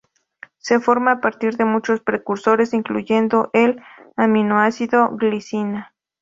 Se forma a partir de muchos precursores, incluyendo el aminoácido glicina.